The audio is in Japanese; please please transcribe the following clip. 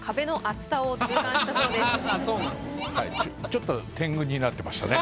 ちょっと天狗になってましたね。